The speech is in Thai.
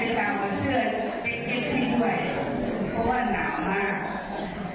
บอกให้เจ้ามาเชื่อเจ็ดเจ็ดให้ด้วยเพราะว่าหนาวมาก